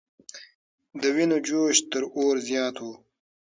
د وینو جوش تر اور زیات و.